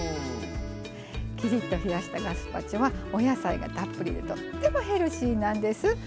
きりっと冷やしたガスパチョはお野菜がたっぷりでとってもヘルシーなんです。